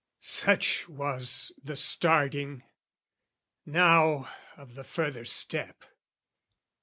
Such was the starting; now of the further step.